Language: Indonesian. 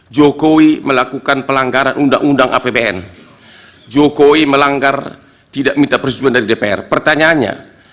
jokowi melakukan pelanggaran undang undang apbn jokowi melanggar tidak minta persetujuan dari dpr pertanyaannya